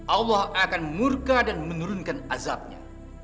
allah akan murka dan menurunkan azabnya